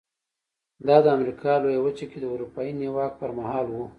دا د امریکا لویه وچه کې د اروپایي نیواک پر مهال و.